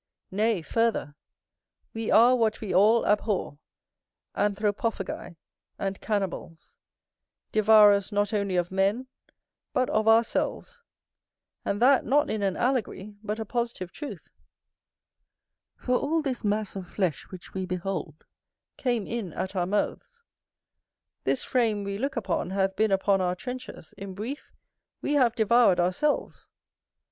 Nay, further, we are what we all abhor, anthropophagi, and cannibals, devourers not only of men, but of ourselves; and that not in an allegory but a positive truth: for all this mass of flesh which we behold, came in at our mouths: this frame we look upon, hath been upon our trenchers; in brief, we have devoured ourselves.